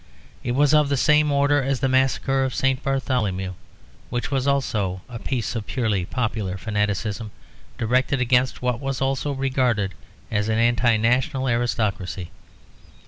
It was of the same order as the Massacre of St. Bartholomew, which was also a piece of purely popular fanaticism, directed against what was also regarded as an anti national aristocracy.